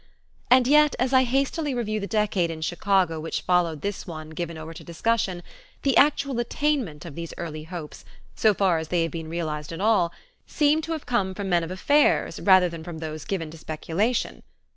And yet as I hastily review the decade in Chicago which followed this one given over to discussion, the actual attainment of these early hopes, so far as they have been realized at all, seem to have come from men of affairs rather than from those given to speculation.